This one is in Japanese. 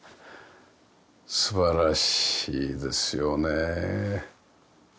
素晴らしいですよね。